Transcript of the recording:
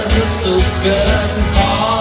เผื่อสุขเกินพอ